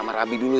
ya dan sudah